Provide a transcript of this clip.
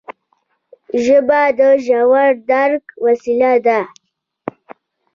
ژبه د ژور درک وسیله ده